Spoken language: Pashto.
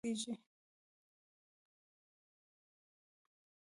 کردان په لویدیځ کې اوسیږي.